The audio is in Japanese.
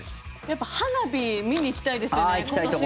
やっぱ花火見に行きたいですよね。